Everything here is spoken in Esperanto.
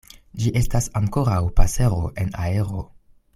Ĝi estas ankoraŭ pasero en aero.